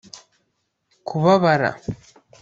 kubabara